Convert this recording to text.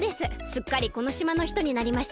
すっかりこのしまのひとになりました。